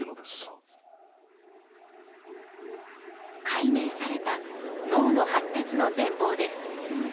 解明された脳の発達の全貌です。